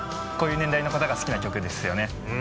こういう年代の方が好きな曲ですよね。